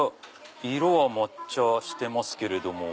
色は抹茶してますけど。